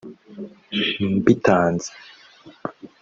mbitanze